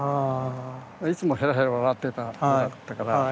いつもへらへら笑ってた子だったから。